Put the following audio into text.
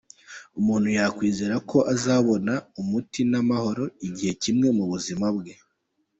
Umuntu yakwizera ko azabona umuti n’amahoro, igihe kimwe mu buzima bwe.